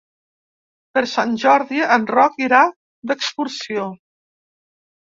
Per Sant Jordi en Roc irà d'excursió.